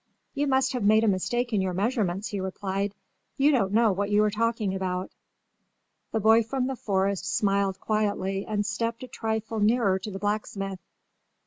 "You must have made a mistake in your measurements," he replied. "You don't know what you are talking about." The boy from the forest smiled quietly and stepped a trifle nearer to the blacksmith.